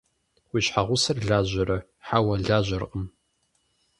Уи щхьэгъусэр лажьэрэ? – Хьэуэ, лажьэркъым.